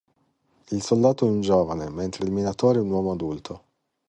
Il Soldato è un giovane, mentre il Minatore è un uomo adulto.